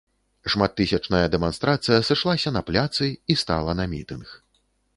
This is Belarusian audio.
Шматтысячная дэманстрацыя сышлася на пляцы і стала на мітынг.